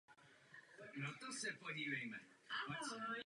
Další část areálu využívala zdejší internátní střední škola.